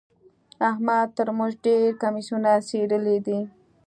احمد تر موږ ډېر کميسونه څيرلي دي.